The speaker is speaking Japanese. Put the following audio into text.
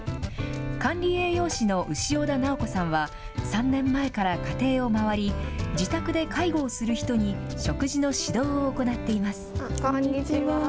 管理栄養士の潮田直子さんは、３年前から家庭を回り、自宅で介護をする人に食事の指導を行っています。